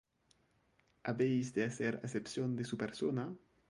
¿Habéis de hacer acepción de su persona?